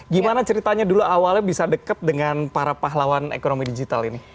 gimana ceritanya dulu awalnya bisa deket dengan para pahlawan ekonomi digital ini